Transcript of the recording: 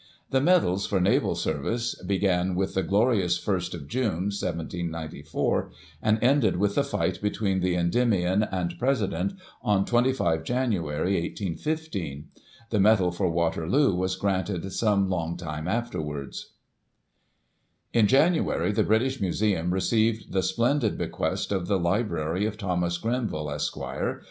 The medals for naval service began with the "Glorious First of June," 1794, and ended with the fight between the Endymion and President on 25 Jan., 181 5. The Medal for Waterloo was granted some long time afterwards. In January, the British Museum received the splendid be quest of the Library of Thomas Grenville, Esqre.